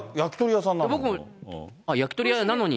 僕も焼き鳥屋なのに？